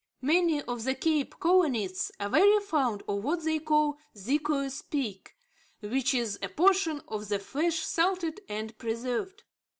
Many of the Cape colonists are very fond of what they call "zeekoe speek," which is a portion of the flesh salted and preserved.